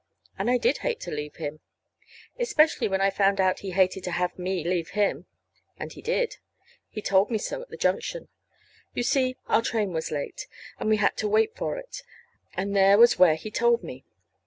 And I did hate to leave him, especially when I found he hated to have me leave him. And he did. He told me so at the junction. You see, our train was late, and we had to wait for it; and there was where he told me.